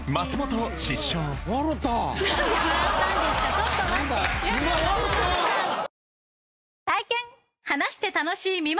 ちょっと待って。